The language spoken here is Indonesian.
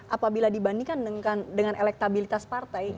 apabila dibandingkan dengan elektabilitas partai